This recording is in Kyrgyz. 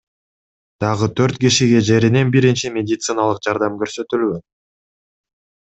Дагы төрт кишиге жеринен биринчи медициналык жардам көрсөтүлгөн.